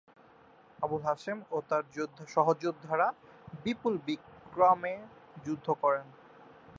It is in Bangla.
আবুল হাশেম ও তার সহযোদ্ধারা বিপুল বিক্রমে যুদ্ধ করেন।